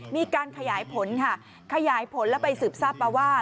มีการขยายผลค่ะขยายผลแล้วไปสืบทราบมาว่า